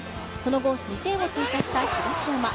その後、２点を追加した東山。